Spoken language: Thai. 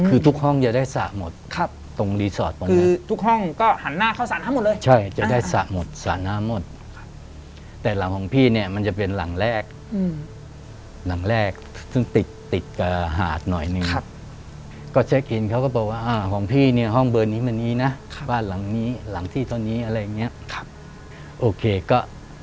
เอาแค่เฉพาะสองตรงนี้เลยนะ